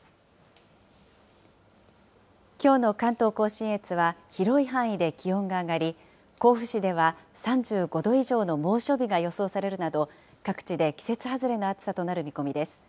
きょうの関東甲信越は広い範囲で気温が上がり、甲府市では３５度以上の猛暑日が予想されるなど、各地で季節外れの暑さとなる見込みです。